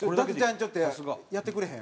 ちょっとやってくれへん？